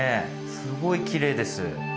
すごいきれいです。